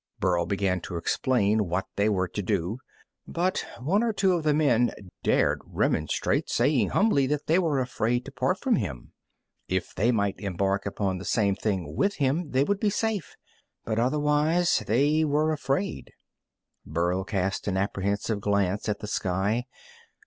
Burl began to explain what they were to do, but one or two of the men dared remonstrate, saying humbly that they were afraid to part from him. If they might embark upon the same thing with him, they would be safe, but otherwise they were afraid. Burl cast an apprehensive glance at the sky.